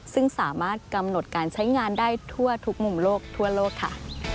ซึ่งสามารถกำหนดการใช้งานได้ทั่วทุกมุมโลกทั่วโลกค่ะ